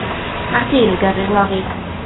Mae'r dyn yn gyrru'r lori.